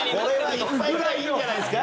これは１杯ぐらいいいんじゃないですか？